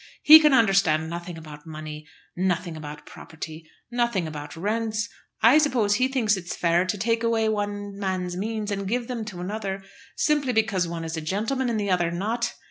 He can understand nothing about money, nothing about property, nothing about rents! I suppose he thinks it fair to take away one man's means and give them to another, simply because one is a gentleman and the other not!